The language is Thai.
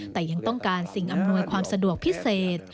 แต่ยังต้องการสิ่งอำนวยความสะดวกพิเศษ